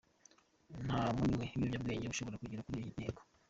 Nta munywi w’ibiyobyabwenge ushobora kugera kuri iyo ntego.